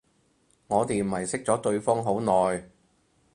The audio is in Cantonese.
我哋唔係識咗對方好耐